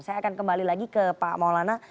saya akan kembali lagi ke pak maulana